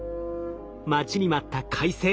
待ちに待った快晴。